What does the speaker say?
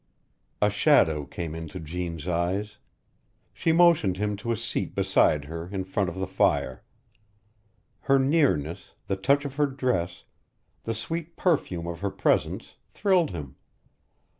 A shadow came into Jeanne's eyes. She motioned him to a seat beside her in front of the fire. Her nearness, the touch of her dress, the sweet perfume of her presence, thrilled him.